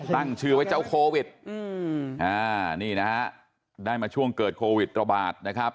ตั้งชื่อไว้เจ้าโควิดนี่นะฮะได้มาช่วงเกิดโควิดระบาดนะครับ